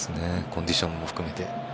コンディションも含めて。